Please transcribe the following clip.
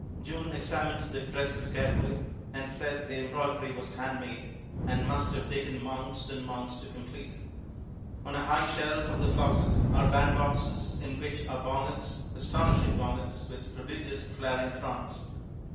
June examined the dresses carefully, and said the embroidery was handmade, and must have taken months and months to complete. On a high shelf of the closet are bandboxes, in which are bonnets, astonishing bonnets, with prodigious flaring fronts.